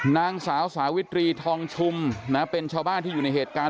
นางสาวสาวิตรีทองชุมนะเป็นชาวบ้านที่อยู่ในเหตุการณ์